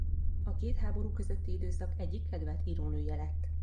A két háború közötti időszak egyik kedvelt írónője lett.